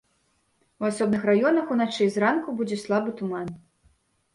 У асобных раёнах уначы і зранку будзе слабы туман.